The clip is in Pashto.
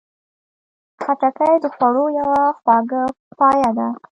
خټکی د خوړو یوه خواږه پایه ده.